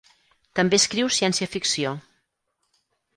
També escriu ciència-ficció.